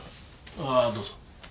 ああどうぞ。